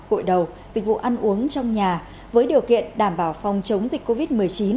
cội đầu dịch vụ ăn uống trong nhà với điều kiện đảm bảo phòng chống dịch covid một mươi chín